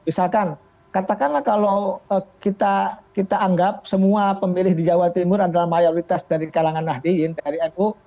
misalkan katakanlah kalau kita anggap semua pemilih di jawa timur adalah mayoritas dari kalangan nahdiin dari nu